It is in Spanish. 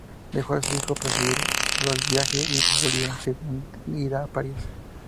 Dejó a su hijo proseguir sólo el viaje y volvió en seguida a París.